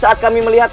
saat kami melihat